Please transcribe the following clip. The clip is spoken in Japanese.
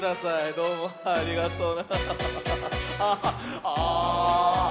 どうもありがとう。